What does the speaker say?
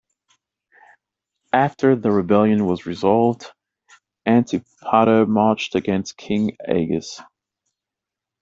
After the rebellion was resolved, Antipater marched against King Agis.